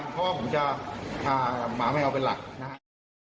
เพราะว่าผมจะพาหมาแมวเป็นหลักนะครับ